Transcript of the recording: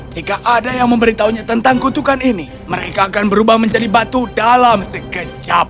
jika ada yang memberitahunya tentang kutukan ini mereka akan berubah menjadi batu dalam sekejap